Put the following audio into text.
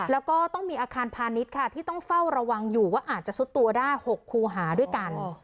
แล้วก็ต้องมีอาคารพาณิชย์ค่ะที่ต้องเฝ้าระวังอยู่ว่าอาจจะซุดตัวได้๖คูหาด้วยกัน